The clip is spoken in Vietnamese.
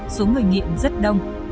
số người nghiện rất đông